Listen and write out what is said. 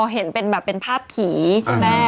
เห็นเป็นแบบเป็นภาพผีใช่ไหม